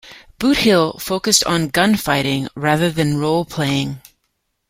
"Boot Hill" focused on gunfighting rather than role-playing.